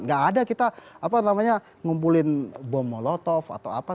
enggak ada kita ngumpulin bom molotov atau apa